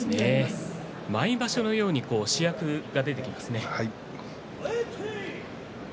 毎場所のように主役が出てきますね。